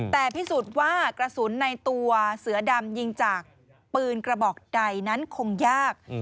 แต่พิสูจน์ว่ากระสุนในตัวเสือดำยิงจากปืนกระบอกใดนั้นคงยาก